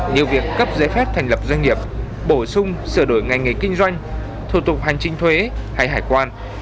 như việc cấp giấy phép thành lập doanh nghiệp bổ sung sửa đổi ngành nghề kinh doanh thủ tục hành chính thuế hay hải quan